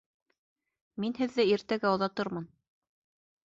Мин һеҙҙе иртәгә оҙатырмын